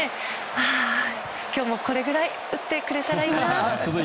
ああ今日もこれぐらい打ってくれたらいいな。